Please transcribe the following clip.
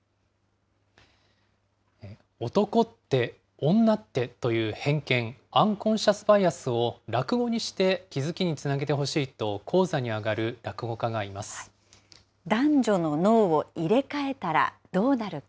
男って、女ってという偏見、アンコンシャス・バイアスを落語にして気付きにつなげてほしいと男女の脳を入れ替えたらどうなるか。